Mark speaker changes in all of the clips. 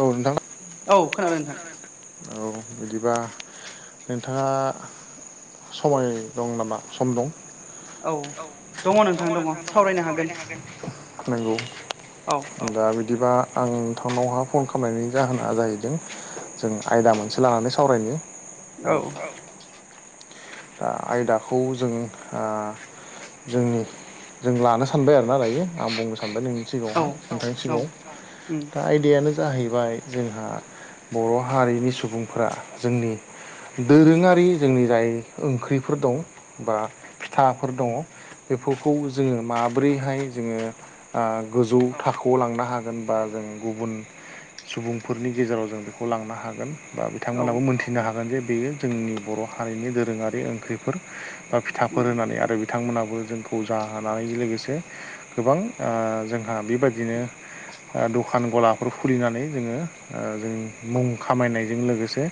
Speaker 1: औ नोंथां औ खोनाबाय नोंथां औ बिदिबा नोंथाङा समाय दं नामा सम दं औ दङ नोंथां दङ सावरायनो हागोन नंगौ दा बिदिबा आं नोंथांनावहाय फन खालामनायनि जाहोना जाहैदों जों आयदा मोनसे लानानै सावरायनि
Speaker 2: औ
Speaker 1: दा आयदाखौ जों जोंनि जों लानो सानबाय आरोना दायो आं बुंनो सानबाय नों सिगाङावहा नोंथांनि सिगाङाव दा आदियानो जाहैबाय जोंहा बर' हारिनि सुबुंफोरा जोंनि दोरोङारि जोंनि जाय ओंख्रिफोर दं बा फिथाफोर दङ बेफोरखौ जोङो माब्रैहाय जोङो गोजौ थाखोआव लांनो हागोन बा जों गुबुन सुबुंफोरनि गेजेराव जों बेखौ लांनो हागोन बा बिथांमोनाबो मोनथिनो हागोन जे बेयो जोंनि बर' हारिनि दोरोङारि ओंख्रिफोर फिथाफोर होननानै आरो बिथांमोनहाबो जोंखौ जाहानायजों लोगोसे गोबां जोंहा बेबायदिनो दखान गला न'खर खुलिनानै जोङो जों मुं खामायनायजों लोगोसे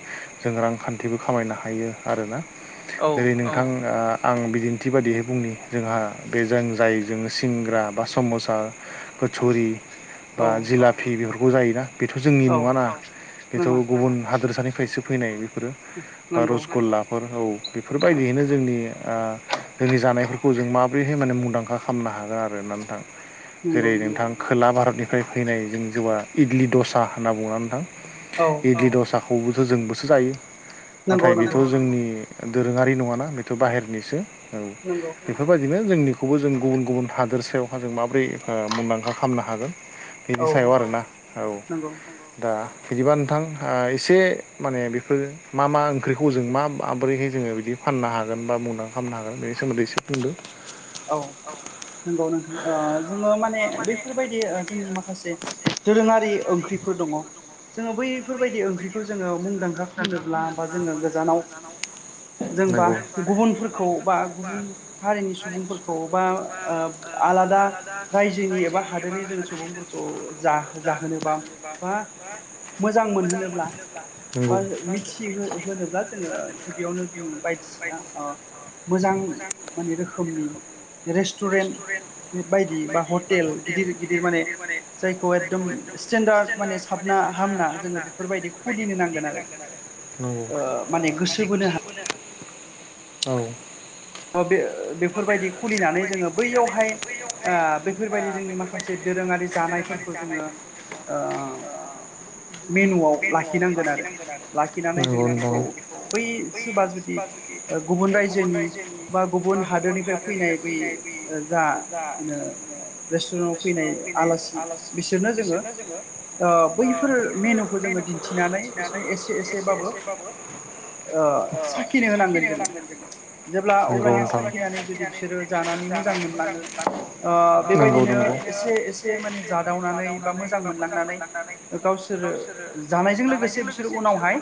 Speaker 1: जों रांखान्थिबो खामायनो हायो आरोना जेरै नोंथां आं बिदिन्थि बादिहै बुंनि जोंहा बे जों जाय जों सिंग्रा बा सामसा कछुरि बा जिलापि बेफोरखौ जायोना बेथ' जोंनि नङाना बेथ' गुबुन हादोरसानिफ्रायसो। फैनाय बेफोरो बा रसगललाफोर औ बेफोरबायदियैनो जोंनि। जोंनि जानायफोरखौ जों माबोरैहाय माने मुंदांखा खालामनो हागोन आरो होननानै नोंथां। जेरै नोंथां खोला भारतनिफ्राय फैनाय जों जेबा इडलि दसा होनना बुङा नोंथां। इदि दसाखौबो' जोंबोसो जायो नाथाय बेथ' जोंनि। दोरोङारि नङाना बेथ' बाहेरनिसो
Speaker 2: नंगौ।
Speaker 1: बेफोरबायदिनो जोंनिखौबो जों गुबुन गुबुन हादोरसायावहा जों माबोरै मुंदांखा खालामनो हागोन। बिनि सायाव आरोना औ दा बिदिबा नोंथां एसे माने बेफोरो मा मा ओंख्रिखौ जों मा माबोरैहाय जोङो बिदि फाननो हागोन बा मुंदां खालामनो हागोन बेनि सोमोन्दै एसे बुंदो। औ।
Speaker 2: नंगौ नोंथां जोङो माने बैफोरबायदि जोंनि माखासे दोरोङारि। ओंख्रिफोर दङ जोङो बैफोरबायदि ओंख्रिखौ जोङो मुंदांखा खालामनोब्ला बा जोङो गोजानाव। जोंबा गुबुनफोरखौ बा गुबुन हारिनि सुबुंफोरखौ बा आलादा रायजोनि एबा हादोरनि जों सुबुंफोरखौ। जा जाहोनोबा बा मोजां मोनहोनोब्ला बा मिथि होनोब्ला जोङो गिबियावनो जोङो बायदिसिना। मोजां माने रोखोमनि रेस्टुरेन्ट बे बायदि बा हटेल गिदिर गिदिर माने जायखौ एकदम स्टेेनडार्द माने साबना हामना जोङो बेफोरबायदि खुलिनो ना
Speaker 1: आरो माने गोसो ब औ।
Speaker 2: बे बेफोरबायदि खुलिनानै जोङो बैयावहाय बेफोरबायदि जोंनि माखासे। माखासे दोरोङारि जानायफोरखौ जोङो मेनुआव लाखिनानै। गोन आरो लाखिनानै जोङो बेखौ बै सुबा जुदि गुबुन रायजोनि बा गुबुन हादोरनिफ्राय फैनाय बै जा रेस्टुरेन्टाव फैनाय आलासि बिसोरनो जोङो। बैफोर मेनुखौ जोङो दिन्थिनानै।
Speaker 1: लाय एसे एसेबाबो साखिनि होलांगोन जोङो।
Speaker 2: ज अ साखनानै जु बिसोरो जानानै मोां मोन बेबायदिनो एसे। वनानै ब मोां मोन गावोर ज लोगोसे बिसोर उनावहाय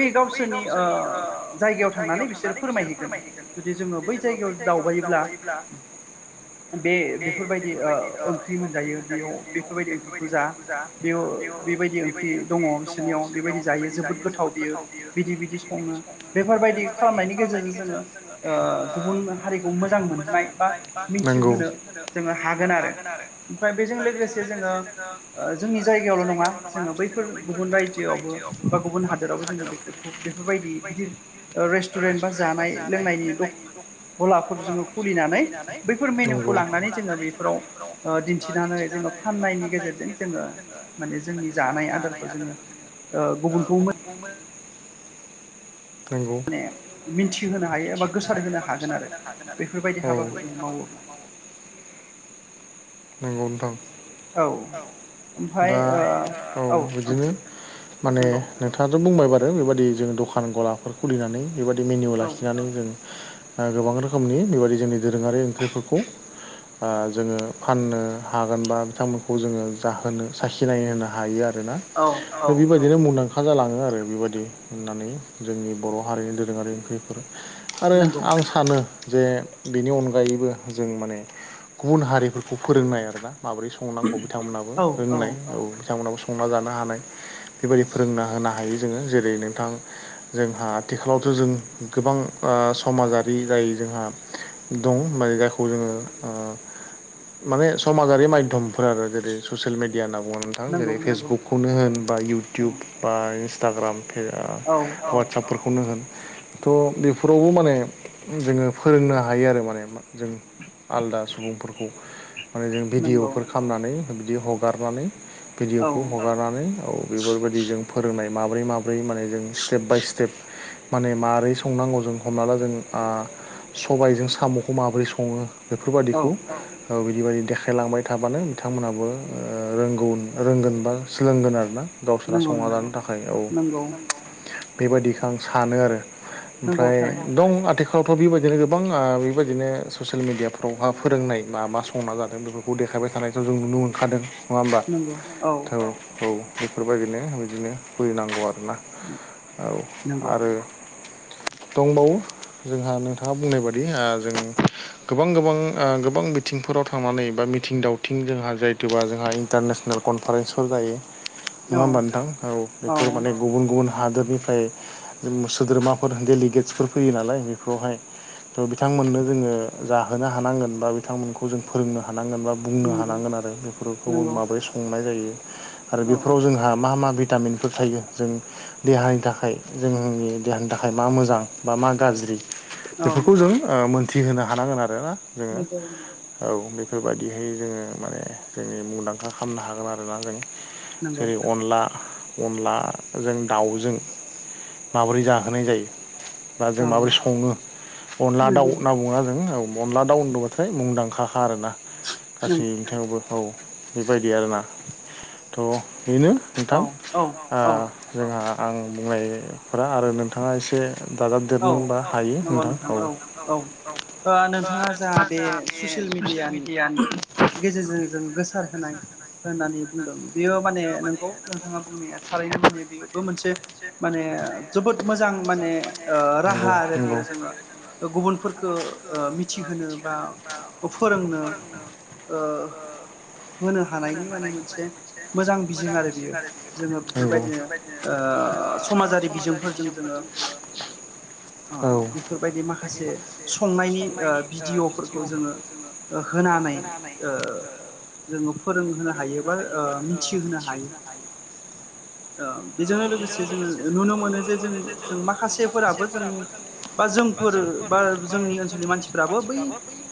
Speaker 2: बै गावसोरनि जायगायाव थांनानै बिसोर फोरमायहैगोन‌। जुदि जोङो बै जायगायाव दावबायोब्ला। बे बेफोरबायदि ओंख्रि मोनजायो बेयाव बेफोरबायदि ओंख्रिखौ जा। बेयाव बेबायदि ओंख्रि दङ बिसोरनियाव। बेबायदि जायो जोबोद गोथाव बियो बिदि बिदि सङो बेफोरबायदि खालामनायनि गेजेरजों जोङो। गुबुन हारिखौ मोजां मोनहोनाय बा मिथिहोनो जोङो हागोन आरो। ओमफ्राय बेजों लोगोसे जोङो जोंनि जायगायावल' नङा जोङो बैफोर गुबुन रायजो। आवबो बा गुबुन हादोरावबो जोङो बे बेफोरबायदि गिदिर रेस्टुरेन्ट बा जानाय। लोंनायनि द गलाफोर जोङो खुलिनानै बैफोर मेनुखौ लांनानै जोङो बेफोराव। दिन्थिनानै जोङो फाननायनि गेजेरजों जोङो माने जोंनि जानाय आदारखौ जोङो।
Speaker 1: आ खामोन औ। नोंगौ नोंथां। दा औ बिदिनो। माने नोंथाङाथ' बुंबाय बारो बेबायदि जोङो दखान गलाफोर खुलिनानै। बेबायदि मेनु लाखिनानै जों गोबां रोखोमनि बेबायाददि जोंनि दोरोङारि ओंख्रिफोरखौ। जोङो फाननो हागोनबा बिथांमोनखौ जोङो जाहोनो स सिनाय होनो हायो आरोना।
Speaker 2: औ।
Speaker 1: बे बायदि बिदिनो मुंदांखा जालाङो आरो बेबायदि होननानै जोंनि बर' हारिनि दोरोङारि ओंख्रिफोर आरो आं सानो जे बेनि अनगायैबो जों माने गुबुन हारिफोरखौ फोरोंनाय आरोना माबोरै स संनांगौ बिथांमोनहाबो रोंनाय औ बिथांमोनाबो संना जानो हानाय बेबायदि फोरोंना होनो हायो जोङो जेरै नोंथां जोंहा आथिखालावथ' जों गोबां समाजारि जायो जोंहा दं माने जायखौ जोङो माने समाजारि मायध्यमफोर आरो जेरै ससियेल मिडिया होनना बुङो जेरै फेसबुकखौनो होन बा इउटुब बा इन्सटाग्राम हवाटसपफोरखौनो होन थ' बेफोरावबो माने जोङो फोरोंनो हायो आरो माने जों आलदा सुबुंफोरखौ माने जों भिडिअफोर खालामनानै बिदि हगारनानै भिडिअखौ हगारनानै औ बेफोरबायदि जों फोरोंनाय माब्रै माब्रै माने जों स्टेप बाय स्टेप माने मारै संनांगौ जों हमना ला जों सबायजों साम'खौ माबोरै सङो बेफोरबादिखौ औ बिदि बदि देखायलांबाय थाबानो बिथांमोनहाबो रोंगौ रोंगोन बा सोलोंगोन आरो गावसोरा संना जानो थाखाय औ बेबायदिखौ आं सानो आरो ओमफ्राय दं आथिखाल फोरावथ' बेबायदिनो गोबां बेबायदिनो ससियेल मिडियाफ्रावहा फोरोंनाय मा मा संना जादों बेफोरखौ खौ देखायबाय थानाय ज जों नुनो मोनखादों नङा होमबा औ औ बेफोरबायदिनो बिदिनो फैनांगौ आरोना औ आरो दंबावो जोंहा नोंथाङा बुंनाय बादि जों गोबां गोबां गोबां बिथिंफोराव थांनानै बा मिथिं दावथिं जोंहा जायथबा जोंहा इन्टारनेसनेल कनफारेन्सफोर जायो नङा होमबा नोंथां औ बेफोर माने गुबुन गुबुन हादोरनिफ्राय सोद्रोमाफोर डेलिगेटसफोर फैयो नालाय बेफोरावहाय थ बिथांमोननो जोङो जाहोनो हानांगोन बा बिथांमोनखौ जों फोरोंनो हानांगोन बा बुंनो हानांगोन आरो बेफोरखौबो माबोरै संनाय जायो आरो बेफोराव जोंहा मा मा भिटामिनफोर थायो जों देहानि थाखाय जोंनि देहानि थाखाय मा मोजां बा मा गाज्रि बेफोरखौ जों मोनथिहोनो हानांगोन आरोना जोङो औ बेफोरबायाददिहै जोङो माने जोंनि मुंदांखा खालामनो हागोन आरोना जों जेरै अनला अनला अनलाजों दाउजों माबोरै जाहोनाय जायो बा जों माबोरै सङो अनला दाउ होनना बुङोना जों अनला दाउ होनन्दोंबाथाय मुंदांखाखा आरोना गासै बिथिङावबो औ बेबायदि आरोना थ' बेनो नोंथां जोंहा आं बुंनायफोरा आरो नोंथाङा एसे
Speaker 2: औ नंगौ नोंथां औ औ नोंथाङा जा बे ससियेल मिडियानि गेजेरजों जों गोसार होनाय होननानै बुंदोंमोन बेयो माने नोंगौ नोंथाङा बुंनाया थारैनो माने बेबो मोनसे माने जोबोद मोजां माने राहा आरो बेयो जोङो गुबुनफोरखौ मिथिहोनो बा फोरोंनो ओ होनो हानायनि माने मोनसे मोजां बिजों आरो बियो जोङो बेफोरबायदिनो ओ समाजारि बिजोंफोरजों जोङो
Speaker 1: [inaudible]
Speaker 2: बेफोरबायदि माखासे संनायनि ओ भिडिय'फोरखौ जोङो होनानै ओ जोङो फोरोंहोनो हायो बा मिथिहोनो हायो। बेजोंनो लोगोसे जोङो नुनो मोनो जे जों जों माखासे फोराबो जों बा जोंफोर बा जोंनि ओनसोलनि मानसिफोराबो बै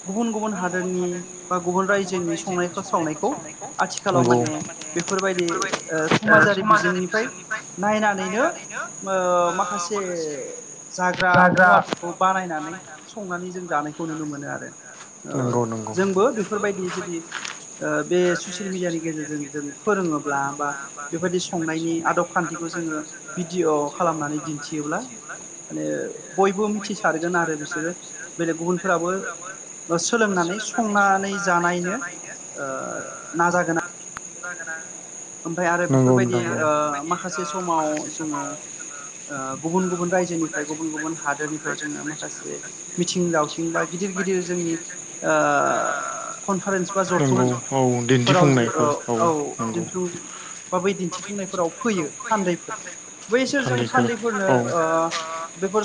Speaker 2: गुबुन गुबुन हादोरनि बा गुबुन रायजोनि संनाय सावनायखौ आथिखाल आथिखालाव माने बेफोरबायदि समाजारि बिजोंनिफ्राय नायनानैनो माखासे जाग्रा मुवाफोरखौ बानायनानै संनानै जों जानायखौ नुनो मोनो आरो। जोंबो बेफोरबायदि जुदि बे ससियेल मिडियानि गेजेरजों जों फोरोङोब्ला बा बेबायाददि संनायनि आदब खान्थिखौ जोङो भिडिअ खालामनानै दिन्थियोब्ला
Speaker 1: हा
Speaker 2: माने बयबो मिथिसारगोन आरो बिसोरो बेलेग गुबुनफोराबो सोलोंनानै संनानै जानायनो ओ नाजागोन।
Speaker 1: [unintelligible]
Speaker 2: ओमफफ्राय आरो बेफोरबायदि ओ माखासे समाव जोङो ओ गुबुन गुबुन रायजोनिफ्राय गुबुन गुबुन हादोरनिफ्राय जोङो माखासे मिथिं दावथिं बा गिदिर गिदिर जोंनि ओ कनफारेन्स बा जथुमफोराव औ दिनथु बा बै दिन्थिफुंनायफोराव फैयो। थान्दैफोर बैसोरजों थान्दैफोरनो ओ बेफोर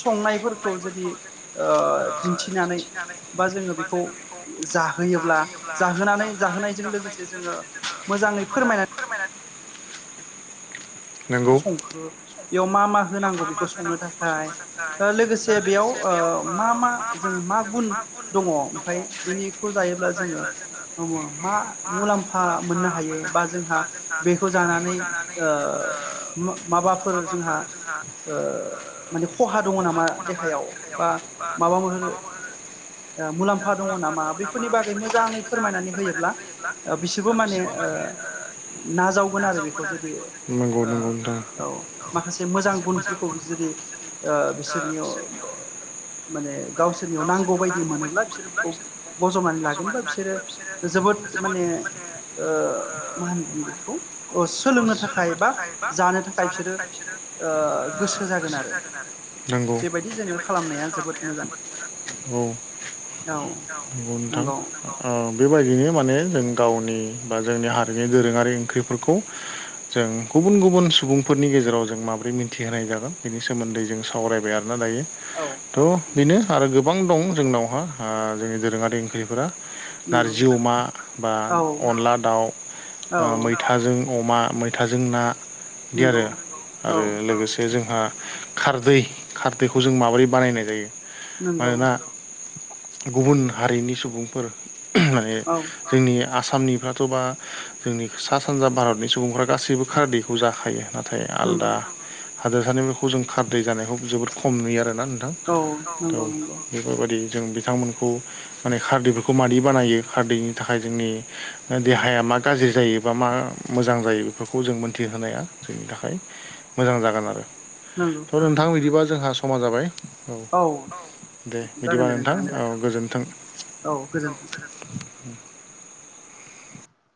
Speaker 2: संनायफोरखौ जुदि ओ दिन्थिनानै
Speaker 1: बा जोङो बेखौ जाहोयोब्ला जाहोनानै जाहोनायजों लोगोसे जोङो
Speaker 2: मोजाङै फोरमायनानै
Speaker 1: फोरमायनानै
Speaker 2: संखो बेयाव मा मा होनांगौ बेखौ संनो थाखाय दा लोगोसे जे बेयाव मा मा जों मा गुन दङ ओमफफ्राय बेनिखौ जायोब्ला जोङो मा मुलाम्फा मोननो हायो बा जोंहा बेखौ जानानै ओ
Speaker 1: माबाफोर जोंहा ओ माने खहा दङ नामा देहायाव। बा माबा मा होनो
Speaker 2: मुलाम्फा दङ नामा बेफोरनि बागै मोजाङै फोरमायनानै होयोब्ला बिसोरबो माने ओ नाजावगोन आरो बेखौ जुदि
Speaker 1: नांगौ नांगौ
Speaker 2: औ माखासे मोजां गुनफोरखौ जुदि ओ बिसोरनियाव माने गावसोरनियाव नांगौ बायदि मोनोब्ला बिसोर बेखौ बजबनानै लागोन बा बिसोरो जोबोद माने ओ मा होनदों बेखौ ओ सोलोंनो थाखाय बा
Speaker 1: जानो थाखाय बिसोरो गोसो नंगौ जादों आरो बेबायदि जो औ
Speaker 2: औ नंगौ
Speaker 1: बेबायदिनो माने जों गावनि बा जोंनि हारिनि दोरोङारि ओंख्रिफोरखौ जों गुबुन गुबुन सुबुंफोरनि गेजेराव जों माबोरै मिथिहोनाय जागोन बेनि सोमोन्दै जों सावरायबाय आरोोना दायो। थ' बेनो आरो गोबां दं जोंनावहा जोंनि ओ दोरोङारि ओंख्रिफोरा। नारजि अमा बा अनला दाउ ओ मैथाजों अमा फैथाजों ना बिदि आरो आरो लोगोसे जोंहा खारदै खारदैखौ जों माबोरै बानायनाय जायो मानोना गुबुन हारिनि सुबुंफोर माने जोंनि आसामनिफ्राथ' बा जोंनि सा सानजा भारतनि सुबुंफ्रा गासैबो खारदैखौ जाखायो नाथाय आलादा हादोरसानिफोरखौ जों खारदै जानायखौ जोबोद खम नुयो आरोना नोंथां औ। बेफोरबायदि जों बिथांमोनखौ माने खारदैफोरखौ मादि बानायो खारदैनि थाखाय जोंनि देहाया मा गाज्रि जायो बा मा मोजां जायो बेफोरखौ जों मोनथिहोनाया जोंनि थाखाय मोजां जागोन आरो थ' नोंथां बिदिबा जोंहा समा जाबाय औ दे बिदिबा नोंथां औ गोजोन्थों।
Speaker 2: औ गोजोन्थों। [inaudible]